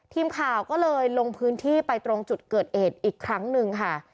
ทีมข่าวก็เลยลงพื้นที่ไปตรงจุดเกิดเหตุอีกครั้งหนึ่งค่ะ